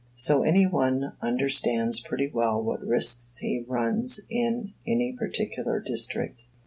So any one understands pretty well what risks he runs in any particular district.